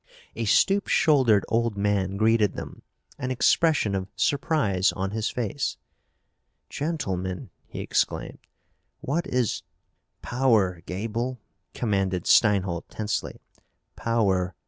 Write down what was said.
A stoop shouldered old man greeted them, an expression of surprise on his face. "Gentlemen!" he exclaimed. "What is " "Power, Gaeble!" commanded Steinholt tensely. "Power!